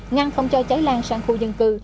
ngăn không cho cháy lan sang khu dân cư